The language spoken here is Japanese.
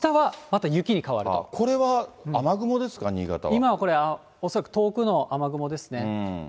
今はこれ、恐らく遠くの雨雲ですね。